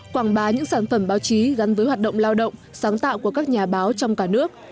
quảng bá những sản phẩm báo chí gắn với hoạt động lao động sáng tạo của các nhà báo trong cả nước